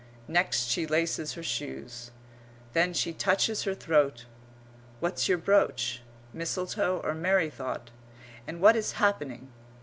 Next she laces her shoes. Then she touches her throat. What's your brooch? Mistletoe or merry thought? And what is happening?